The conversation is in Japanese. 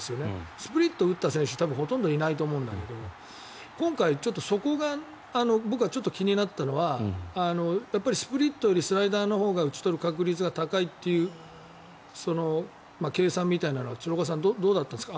スプリットを打った選手ほとんどいないと思うんだけど今回、そこが僕はちょっと気になったのはスプリットよりスライダーのほうが打ち取る確率が高いという計算みたいなのは鶴岡さんどうだったんですか？